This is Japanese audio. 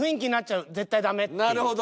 なるほど。